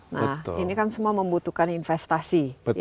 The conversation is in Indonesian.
nah ini kan semua membutuhkan investasi